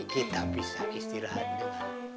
kita bisa istirahat dengan